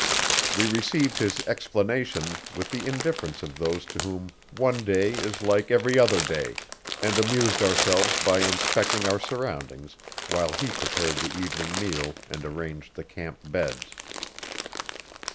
We received his explanation with the indifference of those to whom one day is like every other day, and amused ourselves by inspecting our surroundings while he prepared the evening meal and arranged the camp beds.